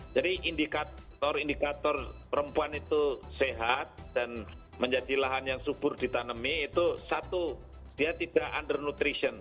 jadi indikator indikator perempuan itu sehat dan menjadi lahan yang subur ditanami itu satu dia tidak under nutrition